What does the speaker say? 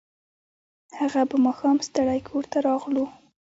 هغه به ماښام ستړی کور ته راتلو